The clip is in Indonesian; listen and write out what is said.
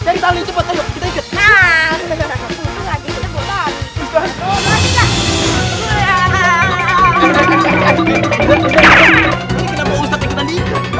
kenapa ustadz ikutan dia